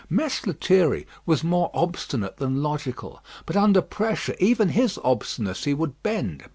Mess Lethierry was more obstinate than logical; but under pressure even his obstinacy would bend.